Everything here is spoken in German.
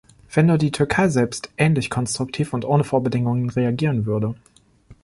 Wenn nur die Türkei selbst ähnlich konstruktiv und ohne Vorbedingungen reagieren würde.